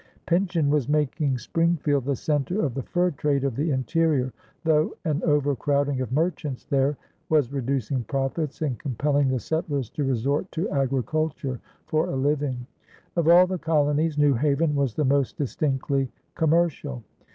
Pynchon was making Springfield the centre of the fur trade of the interior, though an overcrowding of merchants there was reducing profits and compelling the settlers to resort to agriculture for a living. Of all the colonies, New Haven was the most distinctly commercial.